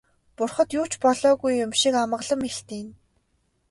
Бурхад юу ч болоогүй юм шиг амгалан мэлтийнэ.